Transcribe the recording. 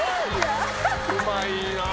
うまいな。